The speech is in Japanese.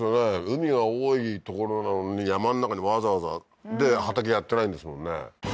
海が多い所なのに山の中にわざわざで畑やってないんですもんね